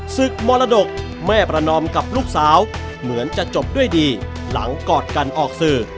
ศึกมรดกแม่ประนอมกับลูกสาวเหมือนจะจบด้วยดีหลังกอดกันออกสื่อ